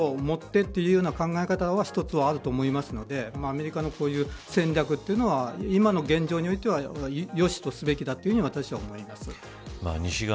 ただ、力には力を持ってという考え方は一つはあると思いますのでアメリカの戦略というのは今の現状においてはよしとすべきだと私は思います。